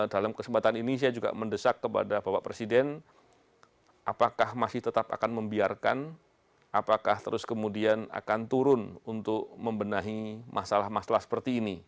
dalam kesempatan ini saya juga mendesak kepada bapak presiden apakah masih tetap akan membiarkan apakah terus kemudian akan turun untuk membenahi masalah masalah seperti ini